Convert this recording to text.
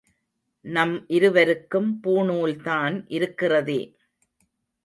நம் இருவருக்கும் பூணூல்தான் இருக்கிறதே.